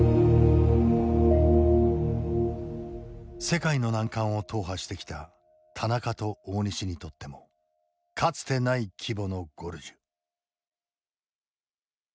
世界の難関を踏破してきた田中と大西にとってもかつてない規模のゴルジュ。